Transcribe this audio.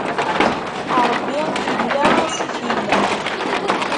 Ṛebbi illa, asif illa.